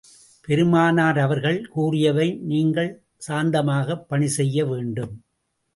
பெருமானார் அவர்கள் கூறியவை நீங்கள் சாந்தமாகப் பணி செய்ய வேண்டும்.